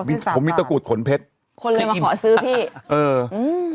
มีผมมีตะกรูดขนเพชรคนเลยมาขอซื้อพี่เอออืม